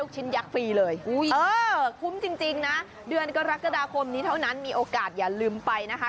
ชิ้นยักษ์ฟรีเลยคุ้มจริงนะเดือนกรกฎาคมนี้เท่านั้นมีโอกาสอย่าลืมไปนะคะ